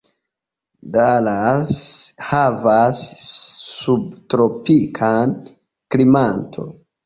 Dallas havas subtropikan klimaton.